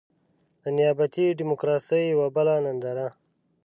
د نيابتي ډيموکراسۍ يوه بله ننداره.